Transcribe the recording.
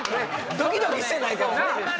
ドキドキしてないから。